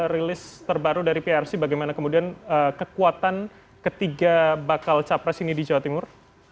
rilis terbaru dari prc bagaimana kemudian kekuatan ketiga bakal capres ini di jawa timur